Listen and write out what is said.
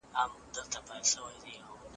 په رسنیو کي باید د درواغو تبلیغات ونه سي.